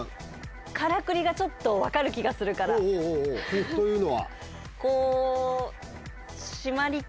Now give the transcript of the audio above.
からくりがちょっと分かる気がするからほうほうほうほうというのは？